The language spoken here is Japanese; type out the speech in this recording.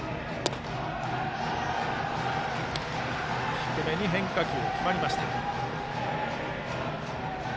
低めに変化球が決まりました。